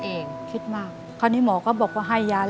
อเรนนี่คือเหตุการณ์เริ่มต้นหลอนช่วงแรกแล้วมีอะไรอีก